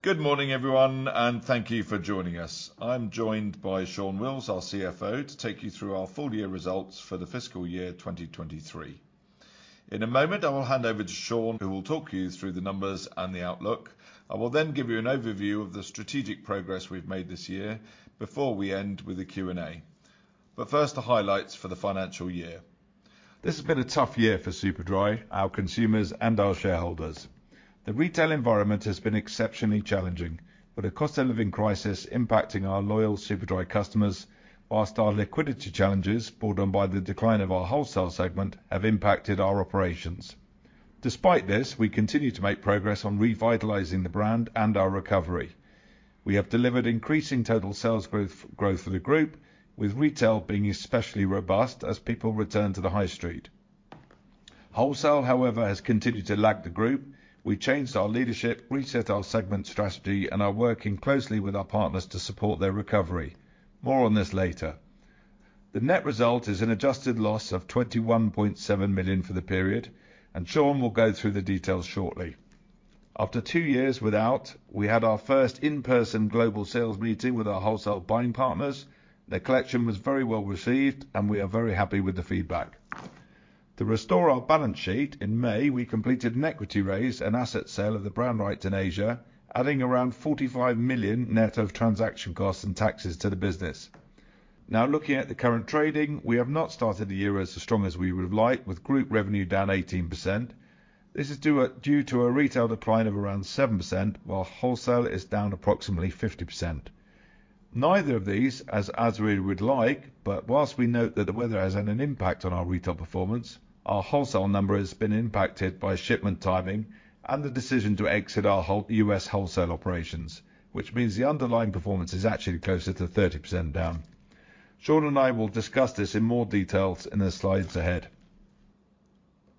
Good morning, everyone, and thank you for joining us. I'm joined by Shaun Wills, our CFO, to take you through our full year results for the Fiscal Year 2023. In a moment, I will hand over to Shaun, who will talk you through the numbers and the outlook. I will then give you an overview of the strategic progress we've made this year before we end with a Q&A. But first, the highlights for the Financial Year, This has been a tough year for Superdry, our consumers, and our shareholders. The retail environment has been exceptionally challenging, with a cost of living crisis impacting our loyal Superdry customers, while our liquidity challenges, brought on by the decline of our wholesale segment, have impacted our operations. Despite this, we continue to make progress on the revitalizing the brand and our recovery. We have delivered increasing total sales growth, growth for the group, with retail being especially robust as people return to the high street. Wholesale, however, has continued to lag the group. We changed our leadership, reset our segment strategy, and are working closely with our partners to support their recovery. More on this later. The net result is an adjusted loss of 21.7 million for the period, and Shaun will go through the details shortly. After two years without, we had our first in-person global sales meeting with our wholesale buying partners. The collection was very well received, and we are very happy with the feedback. To restore our balance sheet, in May, we completed an equity raise and asset sale of the brand rights in Asia, adding around 45 million net of transaction costs and taxes to the business. Now, looking at the current trading, we have not started the year as strong as we would have liked, with group revenue down to 18%. This is due to a retail decline of around 7%, while wholesale is down approximately 50%. Neither of these as we would like, but while we note that the weather has had an impact on our retail performance, our wholesale number has been impacted by shipment timing and the decision to exit our wholesale U.S. operations, which means the underlying performance is actually closer to 30% down. Shaun and I will discuss this in more details in the slides ahead.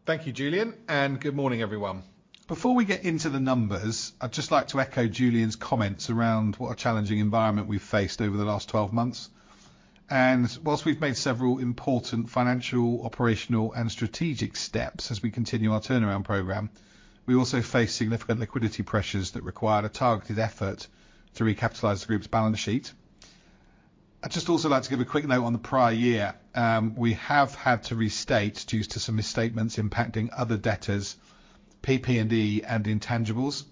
Thank you, Julian, and good morning, everyone. Before we get into the numbers, I'd just like to echo Julian's comments around what a challenging environment we've faced over the last 12 months. And while we've made several important financial, operational, and strategic steps as we continue our turnaround program, we also face significant liquidity pressures that required a targeted effort to recapitalize the group's balance sheet. I'd just also like to give a quick note on the prior year. We have had to restate due to some misstatements impacting other debtors, PP&E, and intangibles.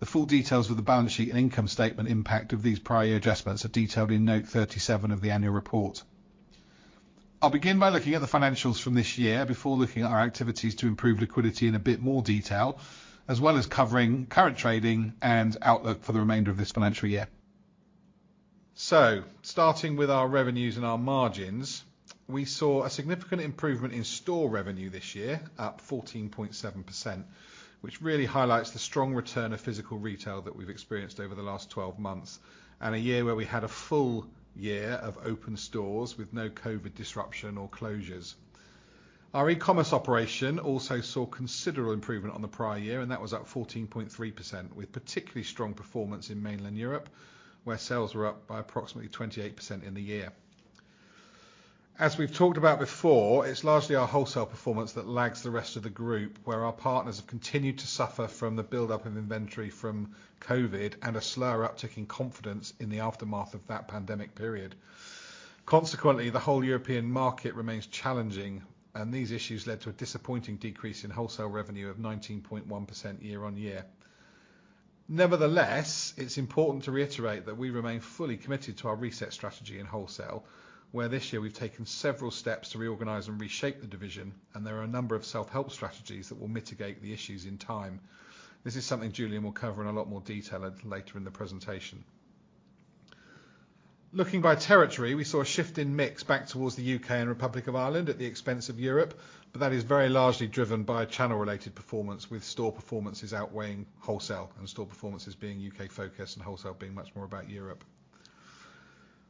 The full details of the balance sheet and income statement impact of these prior year adjustments are detailed in Note 37 of the annual report. I'll begin by looking at the financials from this year before looking at our activities to improve liquidity in a bit more detail, as well as covering current trading and outlook for the remainder of this financial year. Starting with our revenues and our margins, we saw a significant improvement in store revenue this year, up 14.7%, which really highlights the strong return of physical retail that we've experienced over the last 12 months, and a year where we had a full year of open stores with no COVID disruption or closures. Our e-commerce operation also saw considerable improvement on the prior year, and that was up 14.3%, with particularly strong performance in mainland Europe, where sales were up by approximately 28% in the year. As we've talked about before, it's largely our wholesale performance that lags the rest of the group, where our partners have continued to suffer from the buildup of inventory from COVID and a slower uptaking confidence in the aftermath of that pandemic period. Consequently, the whole European market remains challenging, and these issues led to a disappointing decrease in wholesale revenue of 19.1% year-on-year. Nevertheless, it's important to reiterate that we remain fully committed to our reset strategy in wholesale, where this year we've taken several steps to reorganize and reshape the division, and there are a number of self-help strategies that will mitigate the issues in time. This is something Julian will cover in a lot more detail later in the presentation. Looking by territory, we saw a shift in mix back towards the U.K. and Republic of Ireland at the expense of Europe, but that is very largely driven by a channel-related performance, with store performances outweighing wholesale, and store performances being U.K.-focused and wholesale being much more about Europe.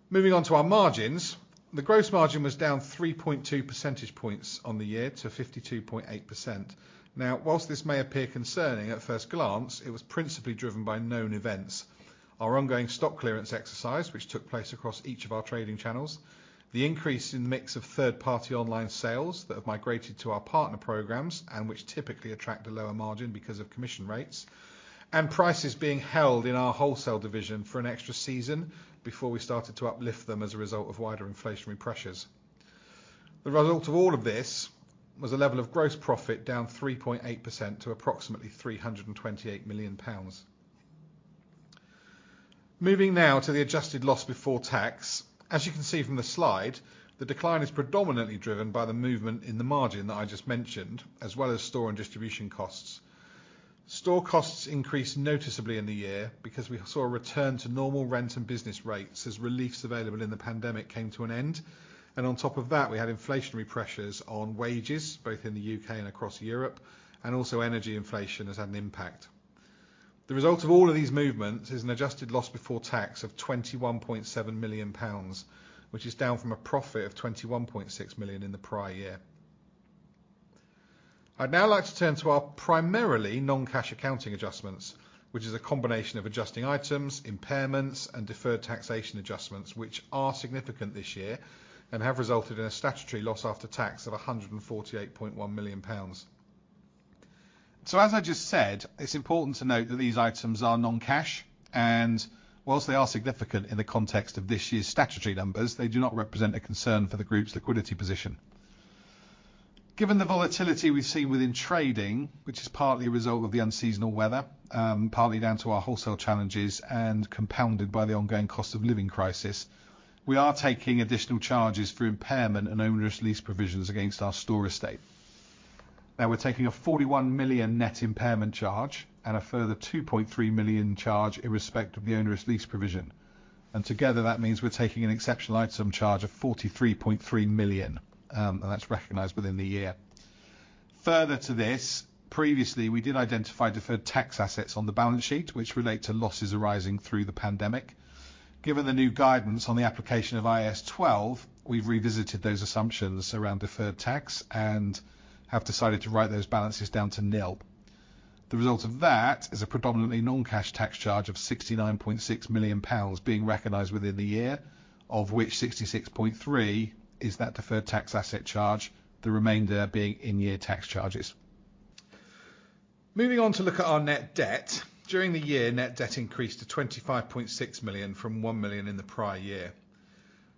Moving on to our margins. The gross margin was down 3.2 percentage points on the year to 52.8%. Now, while this may appear concerning at first glance, it was principally driven by known events. Our ongoing stock clearance exercise, which took place across each of our trading channels, the increase in the mix of third-party online sales that have migrated to our partner programs and which typically attract a lower margin because of commission rates, and prices being held in our wholesale division for an extra season before we started to uplift them as a result of wider inflationary pressures. The result of all of this was a level of gross profit down 3.8% to approximately 328 million pounds. Moving now to the adjusted loss before tax. As you can see from the slide, the decline is predominantly driven by the movement in the margin that I just mentioned, as well as store and distribution costs. Store costs increased noticeably in the year because we saw a return to normal rent and business rates as reliefs available in the pandemic came to an end, and on top of that, we had inflationary pressures on wages, both in the U.K. and across Europe, and also energy inflation has had an impact. The result of all of these movements is an adjusted loss before tax of 21.7 million pounds, which is down from a profit of 21.6 million in the prior year. I'd now like to turn to our primarily non-cash accounting adjustments, which is a combination of adjusting items, impairments, and deferred taxation adjustments, which are significant this year and have resulted in a statutory loss after tax of GBP 148.1 million. So as I just said, it's important to note that these items are non-cash, and while they are significant in the context of this year's statutory numbers, they do not represent a concern for the group's liquidity position. Given the volatility we've seen within trading, which is partly a result of the unseasonal weather, partly down to our wholesale challenges and compounded by the ongoing cost of living crisis, we are taking additional charges through impairment and onerous lease provisions against our store estate. Now, we're taking a 41 million net impairment charge and a further 2.3 million charge in respect of the onerous lease provision, and together, that means we're taking an exceptional item charge of 43.3 million, and that's recognized within the year. Further to this previously, we did identify deferred tax assets on the balance sheet, which relate to losses arising through the pandemic. Given the new guidance on the application of IAS 12, we've revisited those assumptions around deferred tax and have decided to write those balances down to nil. The result of that is a predominantly non-cash tax charge of 69.6 million pounds being recognized within the year, of which 66.3 is that deferred tax asset charge, the remainder being in-year tax charges. Moving on to look at our net debt. During the year, net debt increased to 25.6 million from 1 million in the prior year.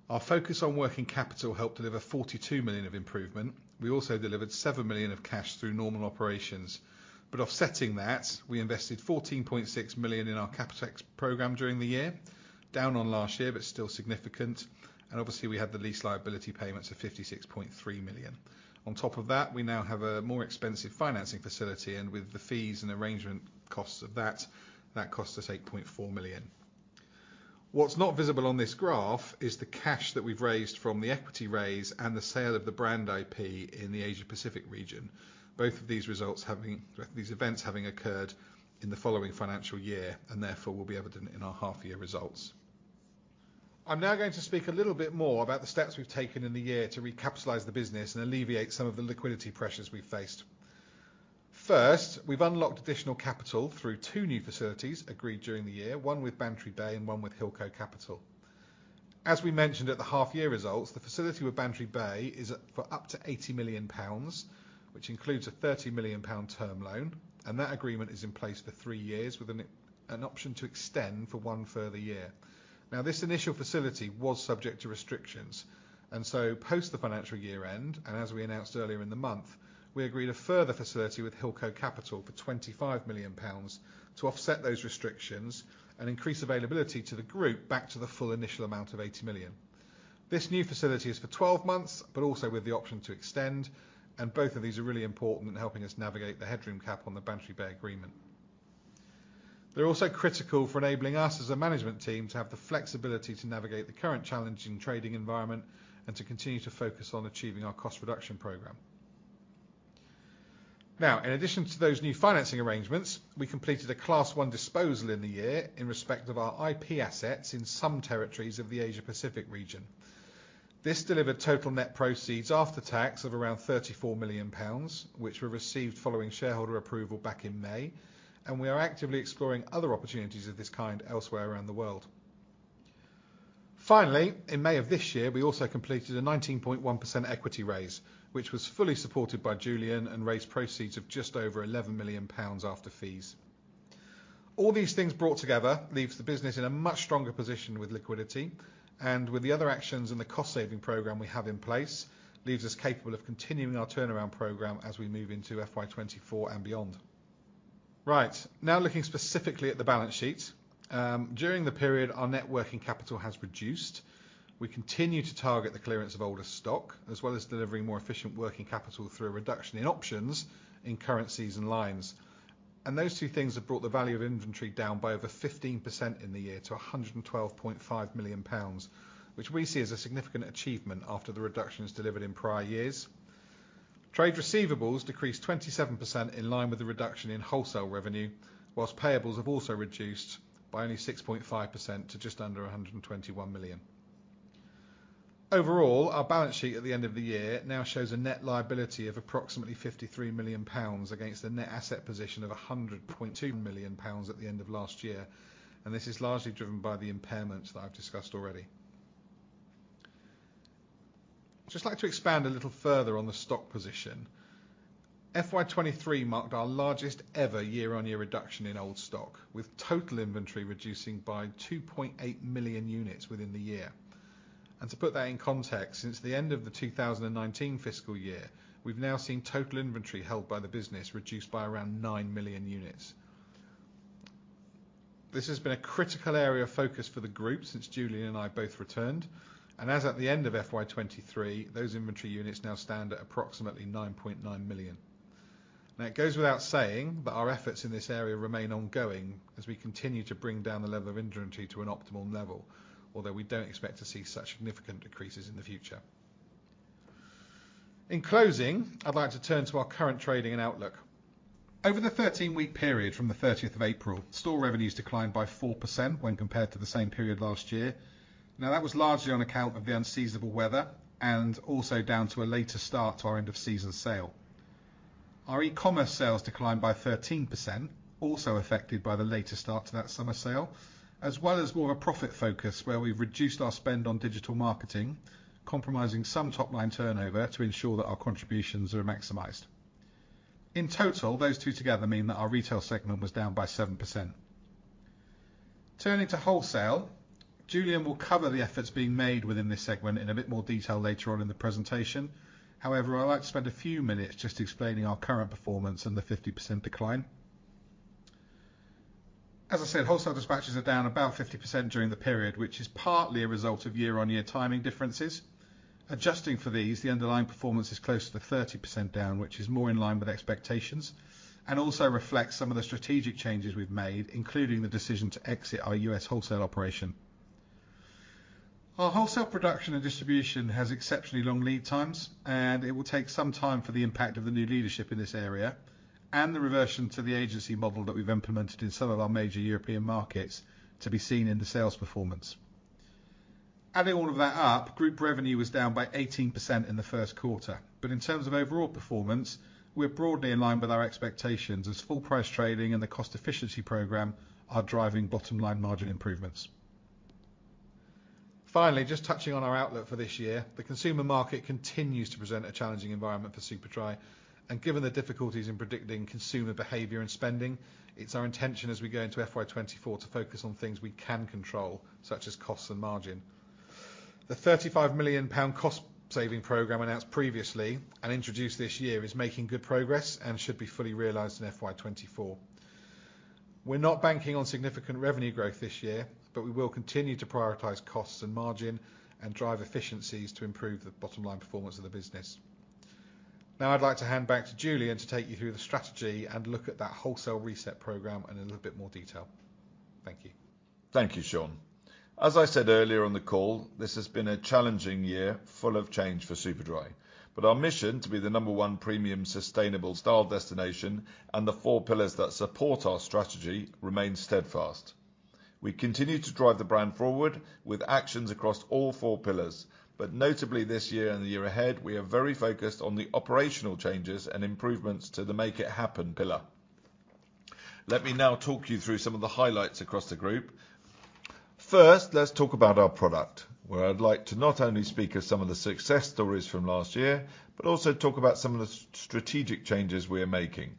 Our focus on working capital helped deliver 42 million of improvement. We also delivered 7 million of cash through normal operations. But offsetting that, we invested 14.6 million in our CapEx program during the year, down on last year, but still significant, and obviously, we had the lease liability payments of 56.3 million. On top of that, we now have a more expensive financing facility, and with the fees and arrangement costs of that, that cost us 8.4 million. What's not visible on this graph is the cash that we've raised from the equity raise and the sale of the brand IP in the Asia-Pacific region. Both of these events having occurred in the following financial year and therefore will be evident in our half-year results. I'm now going to speak a little bit more about the steps we've taken in the year to recapitalize the business and alleviate some of the liquidity pressures we've faced. First, we've unlocked additional capital through two new facilities agreed during the year, one with Bantry Bay and one with Hilco Capital. As we mentioned at the half year results, the facility with Bantry Bay is at, for up to 80 million pounds, which includes a 30 million pound term loan, and that agreement is in place for three years with an option to extend for one further year. Now, this initial facility was subject to restrictions, and so post the financial year end, and as we announced earlier in the month, we agreed a further facility with Hilco Capital for 25 million pounds to offset those restrictions and increase availability to the group back to the full initial amount of 80 million. This new facility is for 12 months, but also with the option to extend, and both of these are really important in helping us navigate the headroom cap on the Bantry Bay agreement. They're also critical for enabling us, as a management team, to have the flexibility to navigate the current challenging trading environment and to continue to focus on achieving our cost reduction program. Now, in addition to those new financing arrangements, we completed a Class One disposal in the year in respect of our IP assets in some territories of the Asia Pacific region. This delivered total net proceeds after tax of around 34 million pounds, which were received following shareholder approval back in May, and we are actively exploring other opportunities of this kind elsewhere around the world. Finally, in May of this year, we also completed a 19.1% equity raise, which was fully supported by Julian and raised proceeds of just over 11 million pounds after fees. All these things brought together leaves the business in a much stronger position with liquidity, and with the other actions and the cost-saving program we have in place, leaves us capable of continuing our turnaround program as we move into FY 2024 and beyond. Right, now, looking specifically at the balance sheet. During the period, our net working capital has reduced. We continue to target the clearance of older stock, as well as delivering more efficient working capital through a reduction in options in currencies and lines. Those two things have brought the value of inventory down by over 15% in the year to 112.5 million pounds, which we see as a significant achievement after the reductions delivered in prior years. Trade receivables decreased 27% in line with the reduction in wholesale revenue, while payables have also reduced by only 6.5% to just under 121 million. Overall, our balance sheet at the end of the year now shows a net liability of approximately 53 million pounds against a net asset position of 100.2 million pounds at the end of last year, and this is largely driven by the impairments that I've discussed already. I'd just like to expand a little further on the stock position. FY 2023 marked our largest ever year-on-year reduction in old stock, with total inventory reducing by 2.8 million units within the year. To put that in context, since the end of the 2019 Fiscal Year, we've now seen total inventory held by the business reduced by around 9 million units. This has been a critical area of focus for the group since Julian and I both returned, and as at the end of FY 2023, those inventory units now stand at approximately 9.9 million. Now, it goes without saying that our efforts in this area remain ongoing as we continue to bring down the level of inventory to an optimal level, although we don't expect to see such significant decreases in the future. In closing, I'd like to turn to our current trading and outlook. Over the 13-week period from the 13th of April, store revenues declined by 4% when compared to the same period last year. Now, that was largely on account of the unseasonable weather and also down to a later start to our end of season sale. Our e-commerce sales declined by 13%, also affected by the later start to that summer sale, as well as more of a profit focus, where we've reduced our spend on digital marketing, compromising some top-line turnover to ensure that our contributions are maximized. In total, those two together mean that our retail segment was down by 7%... Turning to wholesale, Julian will cover the efforts being made within this segment in a bit more detail later on in the presentation. However, I'd like to spend a few minutes just explaining our current performance and the 50% decline. As I said, wholesale dispatches are down about 50% during the period, which is partly a result of year-on-year timing differences. Adjusting for these, the underlying performance is close to the 30% down, which is more in line with expectations, and also reflects some of the strategic changes we've made, including the decision to exit our U.S. wholesale operation. Our wholesale production and distribution has exceptionally long lead times, and it will take some time for the impact of the new leadership in this area and the reversion to the agency model that we've implemented in some of our major European markets to be seen in the sales performance. Adding all of that up, group revenue was down by 18% in the Q1, but in terms of overall performance, we're broadly in line with our expectations as full price trading and the cost efficiency program are driving bottom line margin improvements. Finally, just touching on our outlook for this year, the consumer market continues to present a challenging environment for Superdry, and given the difficulties in predicting consumer behavior and spending, it's our intention, as we go into FY 2024, to focus on things we can control, such as costs and margin. The 35 million pound cost-saving program announced previously and introduced this year is making good progress and should be fully realized in FY 2024. We're not banking on significant revenue growth this year, but we will continue to prioritize costs and margin and drive efficiencies to improve the bottom line performance of the business. Now I'd like to hand back to Julian to take you through the strategy and look at that wholesale reset program in a little bit more detail. Thank you. Thank you, Shaun. As I said earlier on the call, this has been a challenging year, full of change for Superdry, but our mission to be the number one premium, sustainable style destination and the four pillars that support our strategy remain steadfast. We continue to drive the brand forward with actions across all four pillars, but notably this year and the year ahead, we are very focused on the operational changes and improvements to the Make It Happen pillar. Let me now talk you through some of the highlights across the group. First, let's talk about our product, where I'd like to not only speak of some of the success stories from last year, but also talk about some of the strategic changes we are making.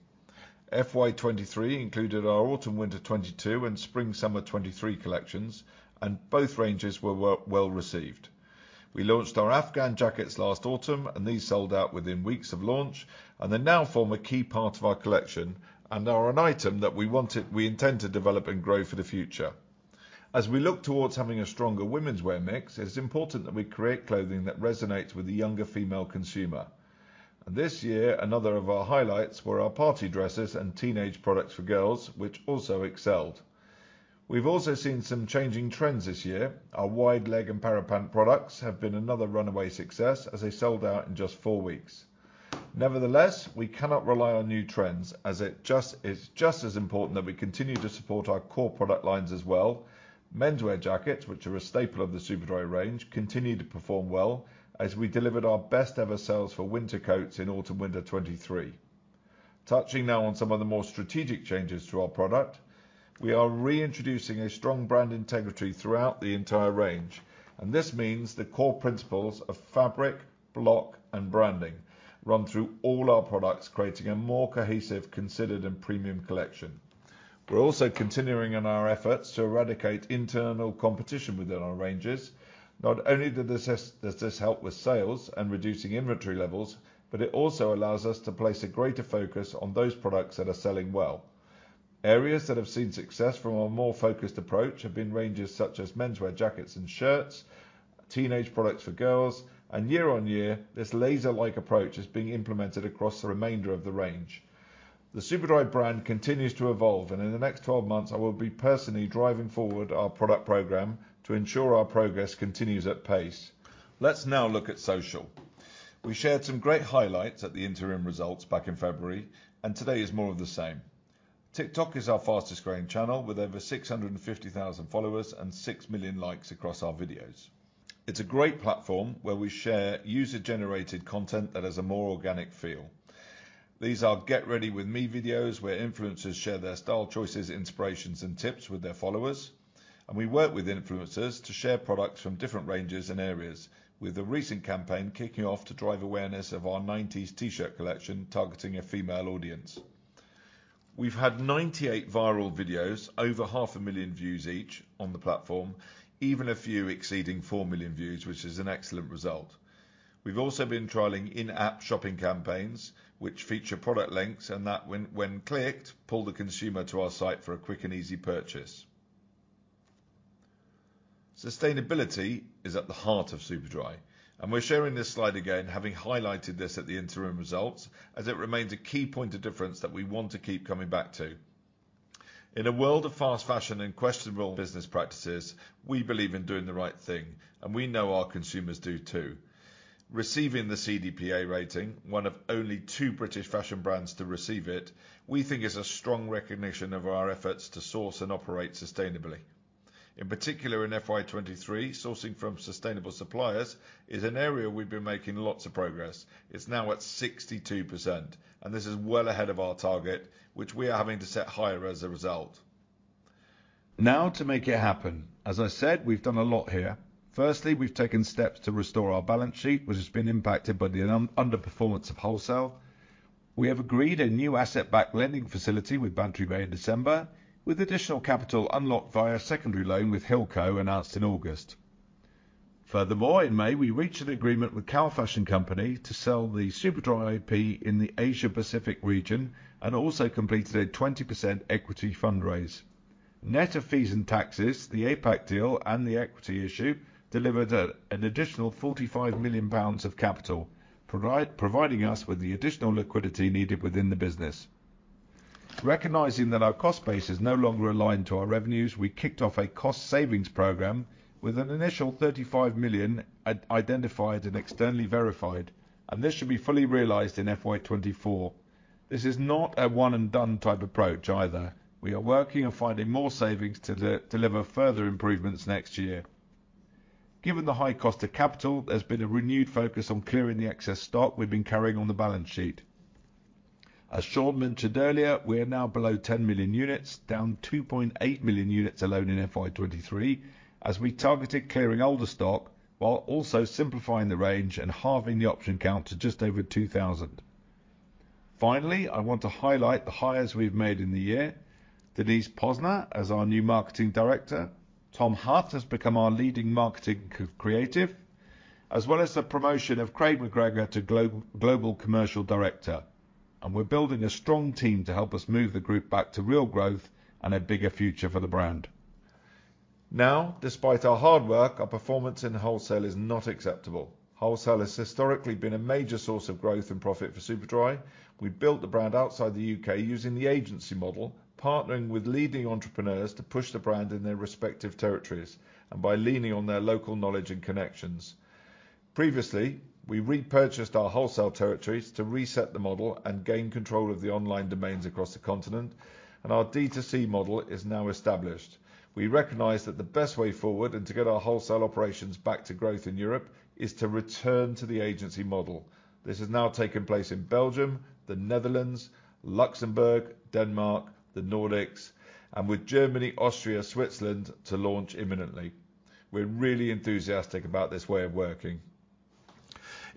FY 2023 included our autumn/winter 2022 and spring/summer 2023 collections, and both ranges were well received. We launched our Afghan jackets last autumn, and these sold out within weeks of launch, and they now form a key part of our collection and are an item that we intend to develop and grow for the future. As we look towards having a stronger womenswear mix, it's important that we create clothing that resonates with the younger female consumer. This year, another of our highlights were our party dresses and teenage products for girls, which also excelled. We've also seen some changing trends this year. Our wide leg and parachute pant products have been another runaway success as they sold out in just four weeks. Nevertheless, we cannot rely on new trends as it's just as important that we continue to support our core product lines as well. Menswear jackets, which are a staple of the Superdry range, continue to perform well as we delivered our best ever sales for winter coats in autumn/winter 2023. Touching now on some of the more strategic changes to our product, we are reintroducing a strong brand integrity throughout the entire range, and this means the core principles of fabric, block, and branding run through all our products, creating a more cohesive, considered, and premium collection. We're also continuing in our efforts to eradicate internal competition within our ranges. Not only does this help with sales and reducing inventory levels, but it also allows us to place a greater focus on those products that are selling well. Areas that have seen success from a more focused approach have been ranges such as menswear jackets and shirts, teenage products for girls, and year-on-year, this laser-like approach is being implemented across the remainder of the range. The Superdry brand continues to evolve, and in the next 12 months, I will be personally driving forward our product program to ensure our progress continues at pace. Let's now look at social. We shared some great highlights at the interim results back in February, and today is more of the same. TikTok is our fastest growing channel, with over 650,000 followers and 6 million likes across our videos. It's a great platform where we share user-generated content that has a more organic feel. These are Get Ready With Me videos, where influencers share their style, choices, inspirations, and tips with their followers, and we work with influencers to share products from different ranges and areas, with a recent campaign kicking off to drive awareness of our 90s T-shirt collection, targeting a female audience. We've had 98 viral videos, over 500,000 views each on the platform, even a few exceeding 4 million views, which is an excellent result. We've also been trialing in-app shopping campaigns, which feature product links and that when clicked, pull the consumer to our site for a quick and easy purchase. Sustainability is at the heart of Superdry, and we're sharing this slide again, having highlighted this at the interim results, as it remains a key point of difference that we want to keep coming back to. In a world of fast fashion and questionable business practices, we believe in doing the right thing, and we know our consumers do, too. Receiving the CDP A rating, one of only two British fashion brands to receive it, we think is a strong recognition of our efforts to source and operate sustainably. In particular, in FY 23, sourcing from sustainable suppliers is an area we've been making lots of progress. It's now at 62%, and this is well ahead of our target, which we are having to set higher as a result. Now to Make It Happen. As I said, we've done a lot here. Firstly, we've taken steps to restore our balance sheet, which has been impacted by the underperformance of wholesale.... We have agreed a new asset-backed lending facility with Bantry Bay in December, with additional capital unlocked via a secondary loan with Hilco, announced in August. Furthermore, in May, we reached an agreement with Cowell Fashion Company to sell the Superdry IP in the Asia-Pacific region and also completed a 20% equity fundraise. Net of fees and taxes, the APAC deal and the equity issue delivered an additional 45 million pounds of capital, providing us with the additional liquidity needed within the business. Recognizing that our cost base is no longer aligned to our revenues, we kicked off a cost savings program with an initial 35 million identified and externally verified, and this should be fully realized in FY 2024. This is not a one-and-done type approach either. We are working on finding more savings to deliver further improvements next year. Given the high cost of capital, there's been a renewed focus on clearing the excess stock we've been carrying on the balance sheet. As Shaun mentioned earlier, we are now below 10 million units, down 2.8 million units alone in FY23, as we targeted clearing older stock while also simplifying the range and halving the option count to just over 2,000. Finally, I want to highlight the hires we've made in the year. Denise Posner, as our new Marketing Director, Tom Hutt has become our Leading Marketing Creative, as well as the promotion of Craig McGregor to Global Commercial Director. We're building a strong team to help us move the group back to real growth and a bigger future for the brand. Now, despite our hard work, our performance in wholesale is not acceptable. Wholesale has historically been a major source of growth and profit for Superdry. We built the brand outside the U.K. using the agency model, partnering with leading entrepreneurs to push the brand in their respective territories and by leaning on their local knowledge and connections. Previously, we repurchased our wholesale territories to reset the model and gain control of the online domains across the continent, and our D2C model is now established. We recognize that the best way forward and to get our wholesale operations back to growth in Europe is to return to the agency model. This has now taken place in Belgium, the Netherlands, Luxembourg, Denmark, the Nordics, and with Germany, Austria, Switzerland to launch imminently. We're really enthusiastic about this way of working.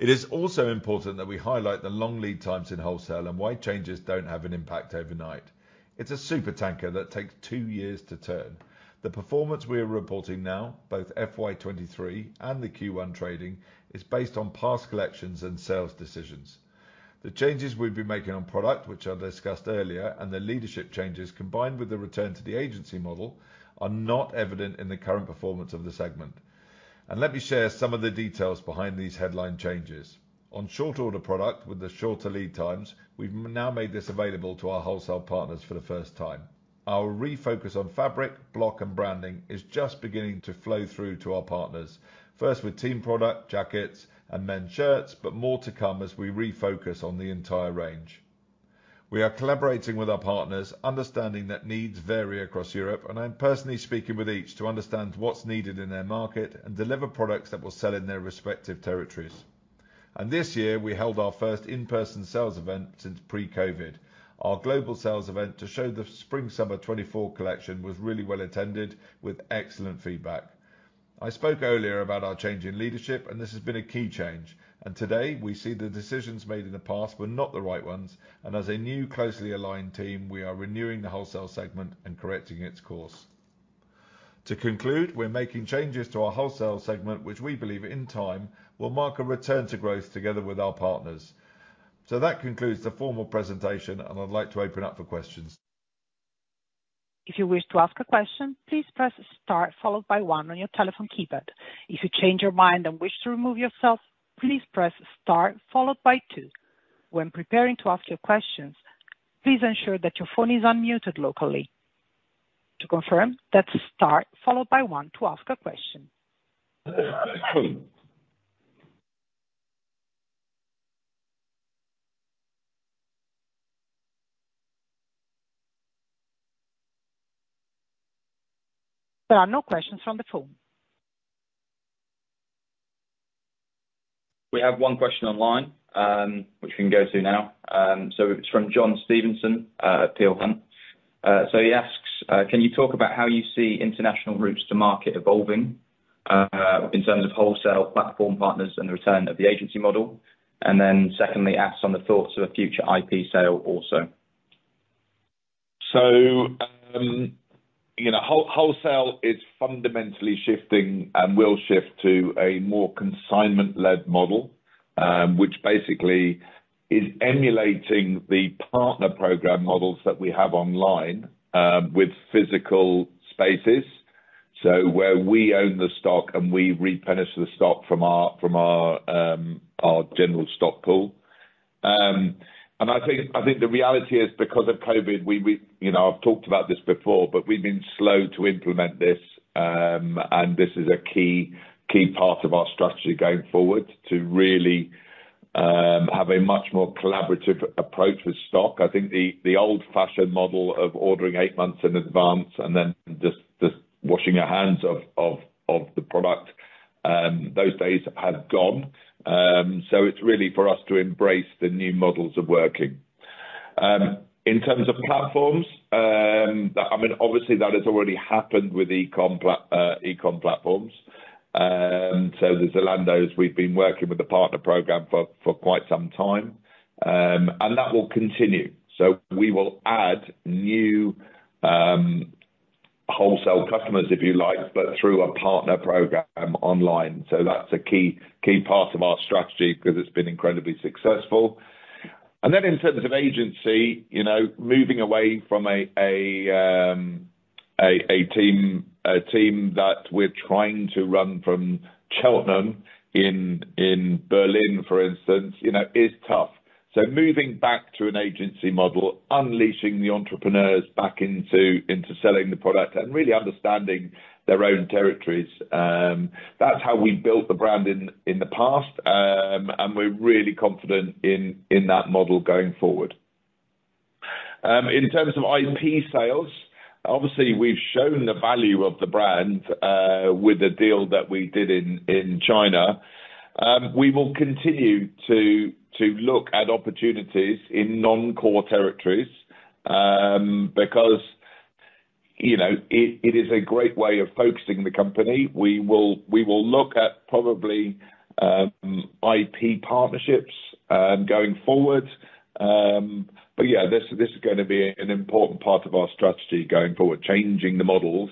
It is also important that we highlight the long lead times in wholesale and why changes don't have an impact overnight. It's a supertanker that takes two years to turn. The performance we are reporting now, both FY 2023 and the Q1 trading, is based on past collections and sales decisions. The changes we've been making on product, which I discussed earlier, and the leadership changes, combined with the return to the agency model, are not evident in the current performance of the segment. And let me share some of the details behind these headline changes. On short order product, with the shorter lead times, we've now made this available to our wholesale partners for the first time. Our refocus on fabric, block, and branding is just beginning to flow through to our partners, first with team product, jackets, and men's shirts, but more to come as we refocus on the entire range. We are collaborating with our partners, understanding that needs vary across Europe, and I'm personally speaking with each to understand what's needed in their market and deliver products that will sell in their respective territories. This year, we held our first in-person sales event since pre-COVID. Our global sales event to show the Spring/Summer 2024 collection was really well attended with excellent feedback. I spoke earlier about our change in leadership, and this has been a key change, and today we see the decisions made in the past were not the right ones, and as a new, closely aligned team, we are renewing the wholesale segment and correcting its course. To conclude, we're making changes to our wholesale segment, which we believe in time, will mark a return to growth together with our partners. That concludes the formal presentation, and I'd like to open up for questions. If you wish to ask a question, please press star followed by one on your telephone keypad. If you change your mind and wish to remove yourself, please press star followed by two. When preparing to ask your questions, please ensure that your phone is unmuted locally. To confirm, that's star followed by one to ask a question. There are no questions on the phone. We have one question online, which we can go to now. So it's from John Stevenson at Peel Hunt. So he asks, "Can you talk about how you see international routes to market evolving, in terms of wholesale platform partners and the return of the agency model?" And then secondly, asks on the thoughts of a future IP sale also. So, you know, wholesale is fundamentally shifting and will shift to a more consignment-led model, which basically is emulating the partner program models that we have online, with physical spaces, so where we own the stock and we replenish the stock from our general stock pool. And I think the reality is because of COVID, we you know, I've talked about this before, but we've been slow to implement this, and this is a key part of our strategy going forward to really have a much more collaborative approach with stock. I think the old-fashioned model of ordering eight months in advance and then just washing our hands of the product, those days have gone. So it's really for us to embrace the new models of working.... In terms of platforms, I mean, obviously that has already happened with e-com platforms. So the Zalando's, we've been working with the partner program for quite some time, and that will continue. So we will add new wholesale customers, if you like, but through a partner program online. So that's a key, key part of our strategy, because it's been incredibly successful. And then in terms of agency, you know, moving away from a team that we're trying to run from Cheltenham in Berlin, for instance, you know, is tough. So moving back to an agency model, unleashing the entrepreneurs back into selling the product and really understanding their own territories, that's how we built the brand in the past. And we're really confident in that model going forward. In terms of IP sales, obviously, we've shown the value of the brand with the deal that we did in China. We will continue to look at opportunities in non-core territories, because, you know, it is a great way of focusing the company. We will look at probably IP partnerships going forward. But yeah, this is gonna be an important part of our strategy going forward, changing the models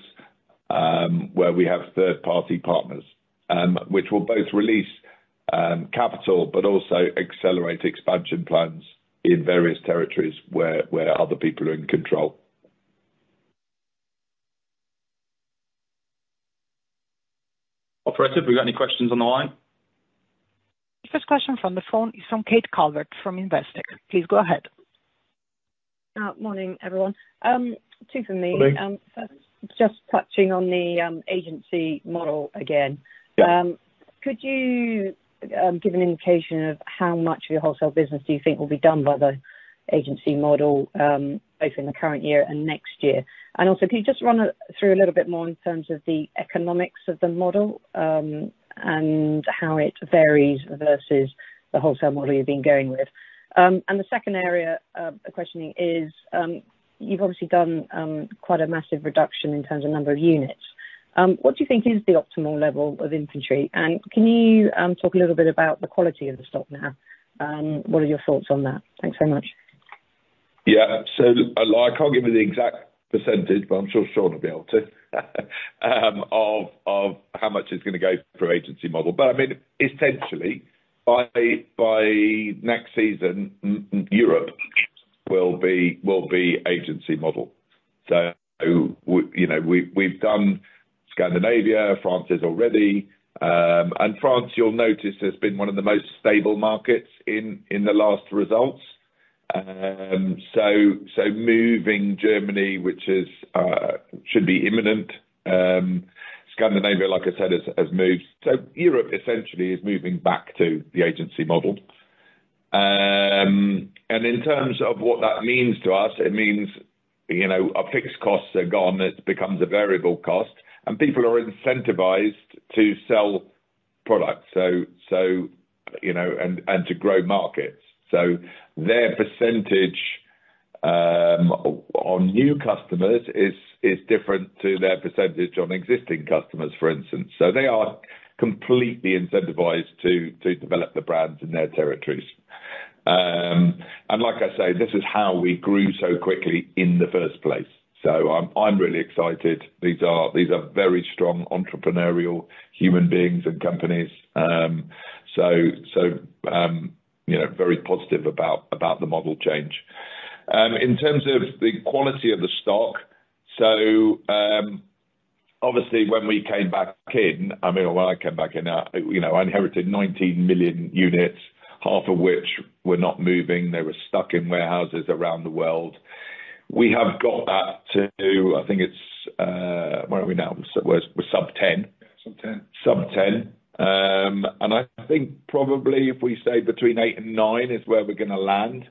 where we have third-party partners, which will both release capital, but also accelerate expansion plans in various territories where other people are in control. Operator, have we got any questions on the line? First question from the phone is from Kate Calvert from Investec. Please go ahead. Morning, everyone. Two from me. Morning. First, just touching on the agency model again. Yeah. Could you give an indication of how much of your wholesale business do you think will be done by the agency model, both in the current year and next year? And also, can you just run us through a little bit more in terms of the economics of the model, and how it varies versus the wholesale model you've been going with? And the second area of questioning is, you've obviously done quite a massive reduction in terms of number of units. What do you think is the optimal level of inventory? And can you talk a little bit about the quality of the stock now? What are your thoughts on that? Thanks so much. Yeah. So look, I can't give you the exact percentage, but I'm sure Shaun will be able to of how much it's gonna go through agency model. But I mean, essentially, by next season, Europe will be agency model. So you know, we've done Scandinavia, France is already, and France, you'll notice, has been one of the most stable markets in the last results. So moving Germany, which should be imminent, Scandinavia, like I said, has moved. So Europe essentially is moving back to the agency model. And in terms of what that means to us, it means, you know, our fixed costs are gone, it becomes a variable cost, and people are incentivized to sell product. So you know, and to grow markets. So their percentage on new customers is different to their percentage on existing customers, for instance. So they are completely incentivized to develop the brands in their territories. And like I say, this is how we grew so quickly in the first place. So I'm really excited. These are very strong entrepreneurial human beings and companies. So you know, very positive about the model change. In terms of the quality of the stock, so obviously when we came back in, I mean, when I came back in, you know, I inherited 19 million units, half of which were not moving. They were stuck in warehouses around the world. We have got that to, I think it's where are we now? We're sub 10. Sub ten. Sub 10. And I think probably if we stay between 8 and 9, is where we're gonna land.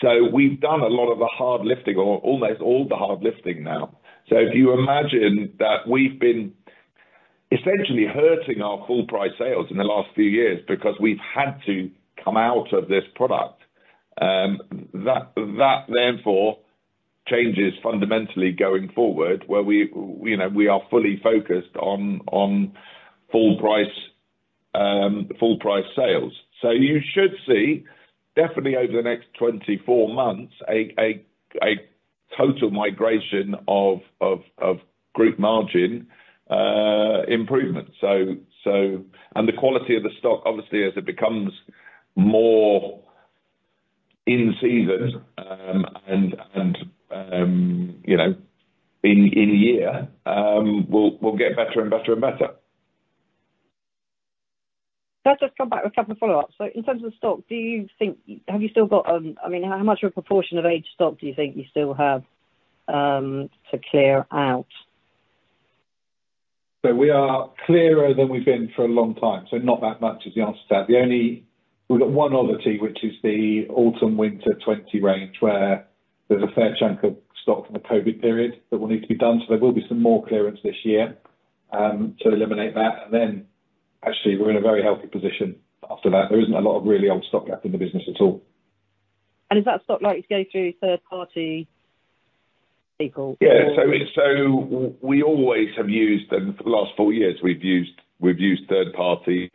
So we've done a lot of the hard lifting or almost all the hard lifting now. So if you imagine that we've been essentially hurting our full price sales in the last few years, because we've had to come out of this product, that therefore changes fundamentally going forward, where we, you know, we are fully focused on full price sales. So you should see, definitely over the next 24 months, a total migration of group margin improvement. And the quality of the stock, obviously, as it becomes more in season, and you know, in year, will get better and better and better. Let us come back with a couple of follow-ups. So in terms of stock, do you think, have you still got, I mean, how much of a proportion of aged stock do you think you still have to clear out? So we are clearer than we've been for a long time, so not that much is the answer to that. The only... We've got one other thing, which is the autumn/winter 2020 range, where there's a fair chunk of stock from the COVID period that will need to be done. So there will be some more clearance this year, to eliminate that, and then-... Actually, we're in a very healthy position after that. There isn't a lot of really old stock left in the business at all. Is that stock likely to go through third party people? Yeah, so we always have used, and for the last four years, we've used third parties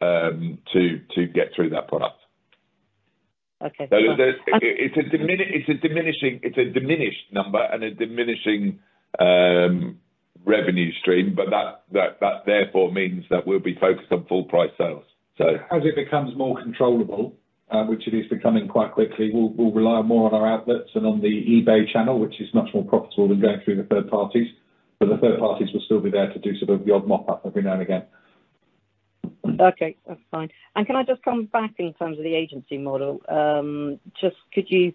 to get through that product. Okay. So there's, it's a diminishing, it's a diminished number and a diminishing revenue stream, but that, that, that therefore means that we'll be focused on full price sales. So- As it becomes more controllable, which it is becoming quite quickly, we'll rely more on our outlets and on the eBay channel, which is much more profitable than going through the third parties. But the third parties will still be there to do sort of the odd mop up every now and again. Okay, that's fine. And can I just come back in terms of the agency model? Just could you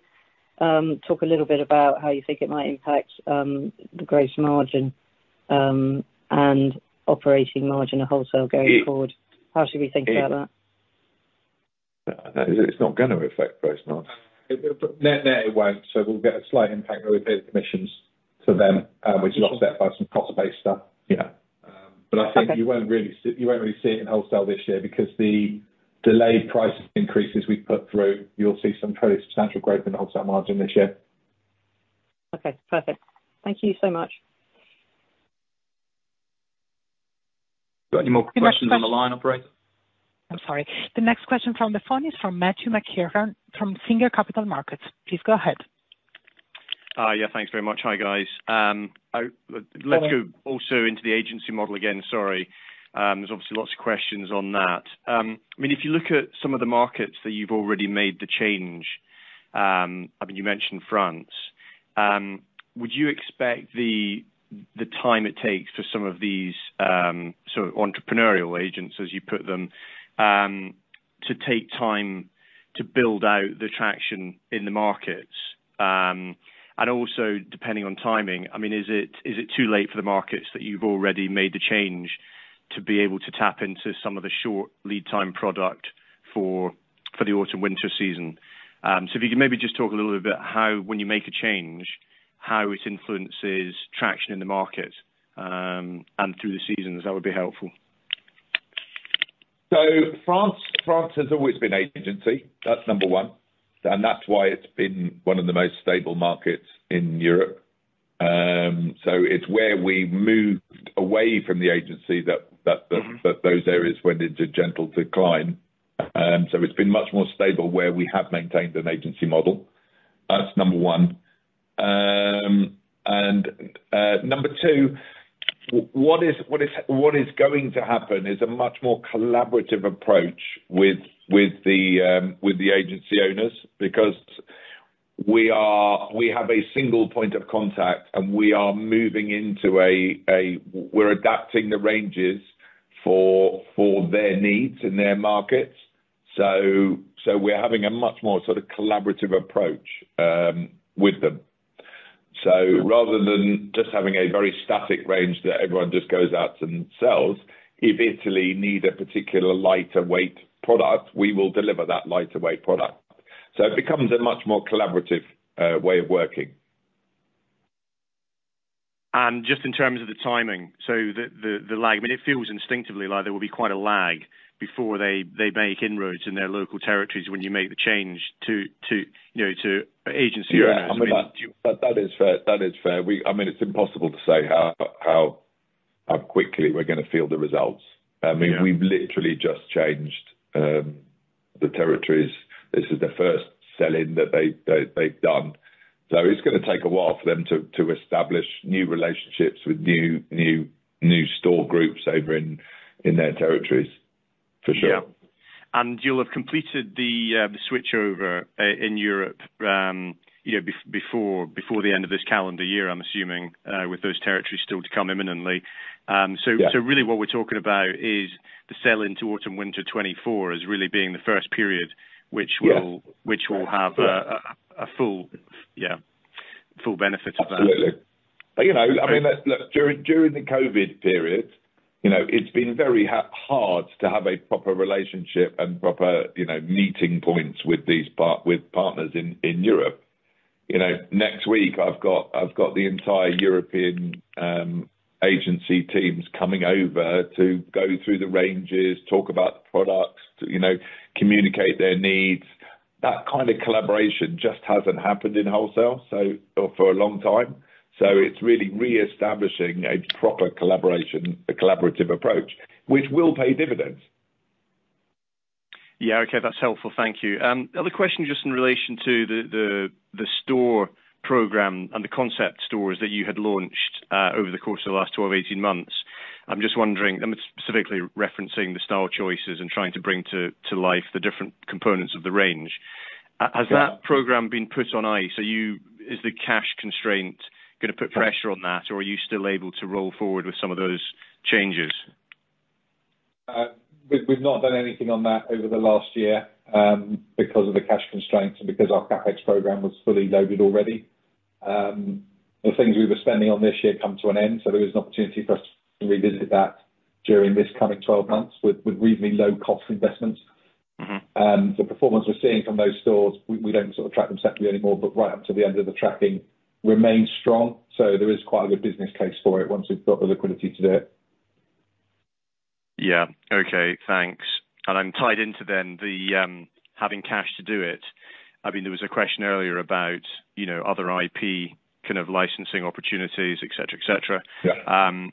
talk a little bit about how you think it might impact the gross margin and operating margin of wholesale going forward? It- How should we think about that? It's not gonna affect gross margin. No. But net, net, it won't, so we'll get a slight impact on the commissions to them, which is offset by some cost-based stuff. Yeah. Okay. But I think you won't really see it in wholesale this year because the delayed price increases we put through, you'll see some very substantial growth in the wholesale margin this year. Okay, perfect. Thank you so much. Got any more questions on the line, operator? I'm sorry. The next question from the phone is from Matthew McEachran from Singer Capital Markets. Please go ahead. Yeah, thanks very much. Hi, guys. Let's go also into the agency model again. Sorry. There's obviously lots of questions on that. I mean, if you look at some of the markets that you've already made the change, I mean, you mentioned France. Would you expect the time it takes for some of these sort of entrepreneurial agents, as you put them, to take time to build out the traction in the markets? And also, depending on timing, I mean, is it too late for the markets that you've already made the change to be able to tap into some of the short lead time product for the autumn-winter season? If you could maybe just talk a little bit how, when you make a change, how it influences traction in the market, and through the seasons, that would be helpful. So France, France has always been agency. That's number one, and that's why it's been one of the most stable markets in Europe. So it's where we moved away from the agency that those areas went into gentle decline. So it's been much more stable where we have maintained an agency model. That's number one. And number two, what is going to happen is a much more collaborative approach with the agency owners, because we have a single point of contact and we are moving into a... We're adapting the ranges for their needs and their markets. So we're having a much more sort of collaborative approach with them. So rather than just having a very static range that everyone just goes out and sells, if Italy need a particular lighter weight product, we will deliver that lighter weight product. So it becomes a much more collaborative way of working. And just in terms of the timing, so the lag, I mean, it feels instinctively like there will be quite a lag before they make inroads in their local territories when you make the change to, you know, to agency owners. Yeah. That is fair. That is fair. We—I mean, it's impossible to say how quickly we're gonna feel the results. Yeah. I mean, we've literally just changed the territories. This is the first sell-in that they've done. So it's gonna take a while for them to establish new relationships with new store groups over in their territories, for sure. Yeah. You'll have completed the, the switchover in Europe, you know, before, before the end of this calendar year, I'm assuming, with those territories still to come imminently. Yeah. So, so really what we're talking about is the sell in to autumn/winter 2024 as really being the first period which will- Yeah... Which will have a full benefit of that. Absolutely. But, you know, I mean, let's. Look, during the COVID period, you know, it's been very hard to have a proper relationship and proper, you know, meeting points with these partners in Europe. You know, next week, I've got the entire European agency teams coming over to go through the ranges, talk about the products, to, you know, communicate their needs. That kind of collaboration just hasn't happened in wholesale, so... or for a long time, so it's really reestablishing a proper collaboration, a collaborative approach, which will pay dividends. Yeah, okay. That's helpful. Thank you. Other question just in relation to the store program and the concept stores that you had launched over the course of the last 12-18 months. I'm just wondering. I'm specifically referencing the style choices and trying to bring to life the different components of the range. Yeah. Has that program been put on ice? Is the cash constraint gonna put pressure on that, or are you still able to roll forward with some of those changes? We've not done anything on that over the last year, because of the cash constraints and because our CapEx program was fully loaded already. The things we were spending on this year come to an end, so there is an opportunity for us to revisit that during this coming 12 months with really low cost investments. The performance we're seeing from those stores, we don't sort of track them separately anymore, but right up to the end of the tracking, remained strong. So there is quite a good business case for it once we've got the liquidity to do it. Yeah. Okay, thanks. And I'm tied into then, the having cash to do it. I mean, there was a question earlier about, you know, other IP kind of licensing opportunities, et cetera, et cetera. Yeah.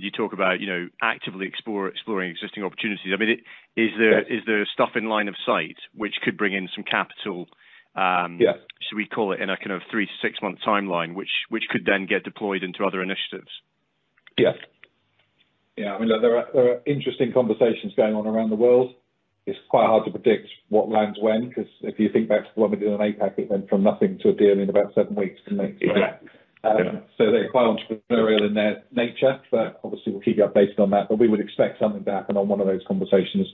You talk about, you know, actively exploring existing opportunities. I mean, Yeah. Is there, is there stuff in line of sight which could bring in some capital? Yeah. Should we call it, in a kind of 3-6-month timeline, which could then get deployed into other initiatives? Yes. Yeah, I mean, look, there are, there are interesting conversations going on around the world. It's quite hard to predict what lands when, 'cause if you think back to when we did an 8 pack, it went from nothing to a deal in about 7 weeks, so. Yeah. So they're quite entrepreneurial in their nature, but obviously, we'll keep you updated on that, but we would expect something to happen on one of those conversations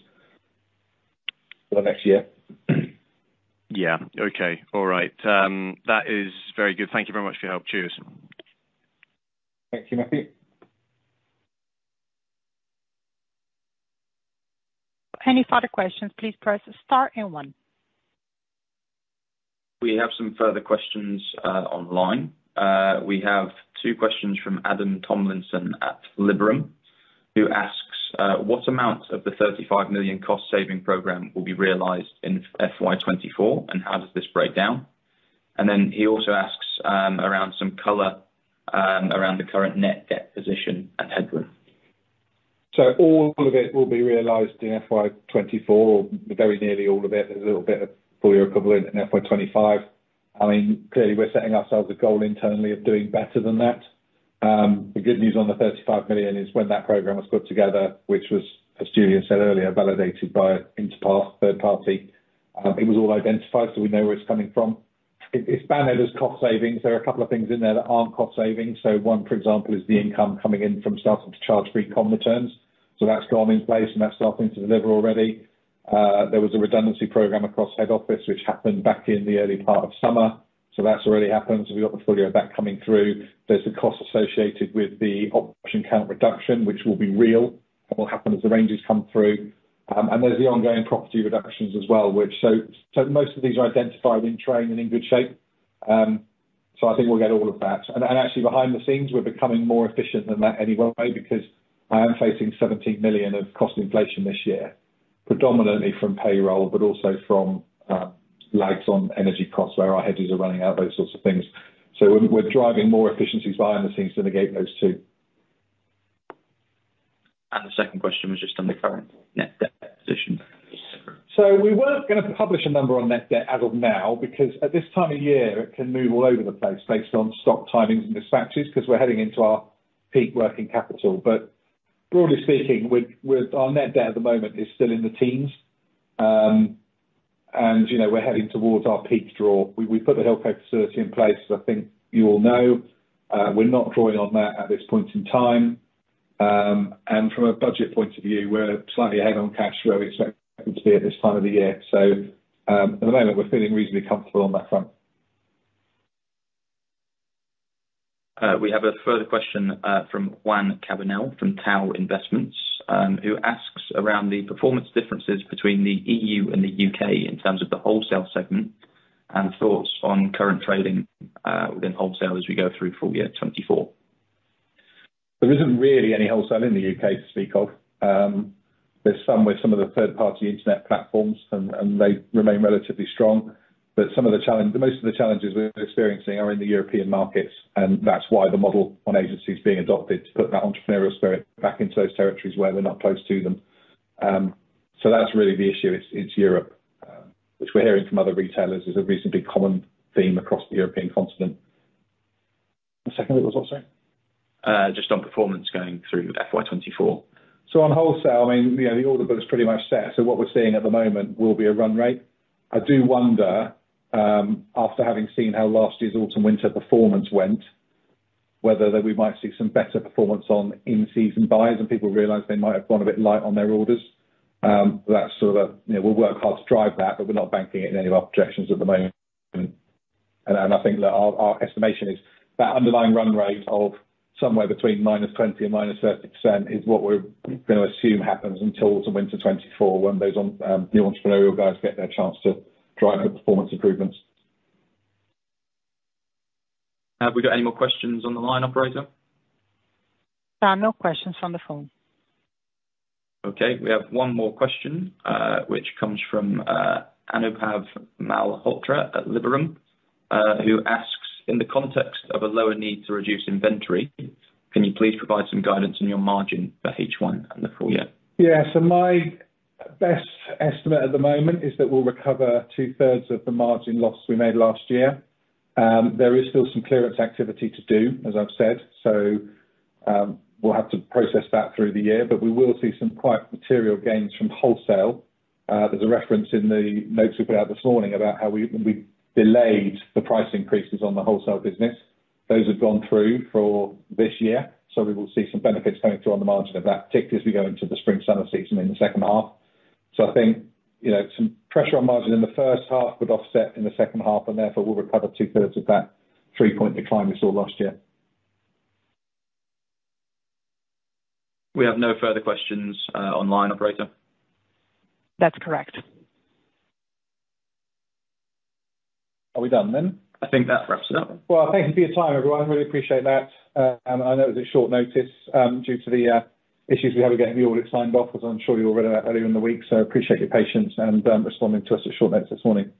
for the next year. Yeah. Okay. All right, that is very good. Thank you very much for your help. Cheers. Thank you, Matthew. Any further questions, please press star and one. We have some further questions online. We have 2 questions from Adam Tomlinson at Liberum, who asks, "What amount of the 35 million cost saving program will be realized in FY 2024, and how does this break down?" And then he also asks around some color around the current net debt position and headroom. So all of it will be realized in FY 2024, or very nearly all of it. There's a little bit of full year equivalent in FY 2025. I mean, clearly, we're setting ourselves a goal internally of doing better than that. The good news on the 35 million is when that program was put together, which was, as Julian said earlier, validated by Interpath, third party, it was all identified, so we know where it's coming from. It, it's banded as cost savings. There are a couple of things in there that aren't cost savings. So one, for example, is the income coming in from starting to charge free comm returns. So that's gone in place, and that's starting to deliver already. There was a redundancy program across head office, which happened back in the early part of summer. So that's already happened, so we've got the full year of that coming through. There's a cost associated with the option count reduction, which will be real, and will happen as the ranges come through. And there's the ongoing property reductions as well, which, so most of these are identified in train and in good shape. So I think we'll get all of that. And actually, behind the scenes, we're becoming more efficient than that anyway, because I am facing 17 million of cost inflation this year, predominantly from payroll, but also from lags on energy costs, where our hedges are running out, those sorts of things. So we're driving more efficiencies behind the scenes to negate those two. The second question was just on the current net debt position. So we weren't gonna publish a number on net debt as of now, because at this time of year, it can move all over the place based on stock timings and dispatches, 'cause we're heading into our peak working capital. But broadly speaking, with our net debt at the moment is still in the teens. And you know, we're heading towards our peak draw. We put the Hilco facility in place, as I think you all know. We're not drawing on that at this point in time. And from a budget point of view, we're slightly ahead on cash where we expect to be at this time of the year. So at the moment, we're feeling reasonably comfortable on that front. We have a further question from Juan Cabanel from Tao Investments who asks around the performance differences between the EU and the UK in terms of the wholesale segment, and thoughts on current trading within wholesale as we go through full year 2024. There isn't really any wholesale in the UK to speak of. There's some with some of the third-party internet platforms, and they remain relatively strong. But the most of the challenges we're experiencing are in the European markets, and that's why the agency model is being adopted, to put that entrepreneurial spirit back into those territories where we're not close to them. So that's really the issue, it's Europe, which we're hearing from other retailers is a reasonably common theme across the European continent. The second bit was what, sorry? Just on performance going through FY 24. So on wholesale, I mean, you know, the order book is pretty much set, so what we're seeing at the moment will be a run rate. I do wonder, after having seen how last year's autumn, winter performance went, whether that we might see some better performance on in-season buyers, and people realize they might have gone a bit light on their orders. That's sort of, you know, we'll work hard to drive that, but we're not banking it in any of our projections at the moment. And I think that our estimation is that underlying run rate of somewhere between -20% and -30% is what we're gonna assume happens until the winter 2024, when those on, the entrepreneurial guys get their chance to drive those performance improvements. Have we got any more questions on the line, operator? There are no questions on the phone. Okay, we have one more question, which comes from Anubhav Malhotra at Liberum, who asks, "In the context of a lower need to reduce inventory, can you please provide some guidance on your margin for H1 and the full year? Yeah, so my best estimate at the moment is that we'll recover two-thirds of the margin losses we made last year. There is still some clearance activity to do, as I've said, so we'll have to process that through the year, but we will see some quite material gains from wholesale. There's a reference in the notes we put out this morning about how we delayed the price increases on the wholesale business. Those have gone through for this year, so we will see some benefits coming through on the margin of that, particularly as we go into the spring, summer season in the second half. So I think, you know, some pressure on margin in the first half would offset in the second half, and therefore, we'll recover two-thirds of that 3-point decline we saw last year. We have no further questions, online, operator. That's correct. Are we done then? I think that wraps it up. Well, thank you for your time, everyone. I really appreciate that. I know it was short notice, due to the issues we had with getting the audit signed off, as I'm sure you all read about earlier in the week. Appreciate your patience and responding to us at short notice this morning.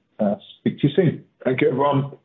Speak to you soon. Thank you, everyone.